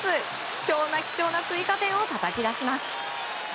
貴重な貴重な追加点をたたき出します。